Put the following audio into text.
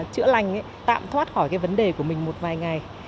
chữa lành tạm thoát khỏi cái vấn đề của mình một vài ngày